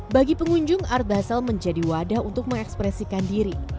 bagi pengunjung art basel menjadi wadah untuk mengekspresikan diri